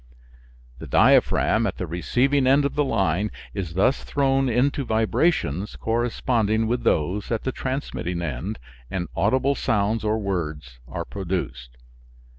The diaphragm at the receiving end of the line is thus thrown into vibrations corresponding with those at the transmitting end, and audible sounds or words are produced.